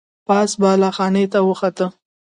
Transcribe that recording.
پاس بالا خانې ته وخوته.